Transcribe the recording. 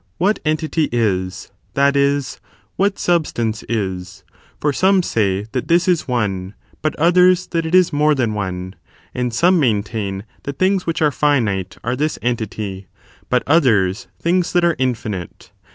^jj^t entity is, that is, what substance is: for acme say that this is one, but others, that it is more than one ; and some maintain that things which are finite are this entity, but others, things that are infinite.